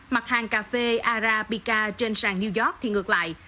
mặt hàng cà phê arabica trên sàn new york thì ngược lại